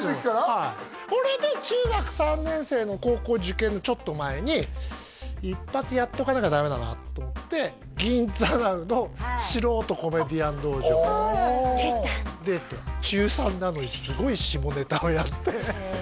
はいこれで中学３年生の高校受験のちょっと前に一発やっとかなきゃダメだなと思って「ぎんざＮＯＷ！」の素人コメディアン道場出たんだ出てへえ